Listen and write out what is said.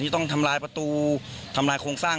ต้องทำลายประตูทำลายโครงสร้าง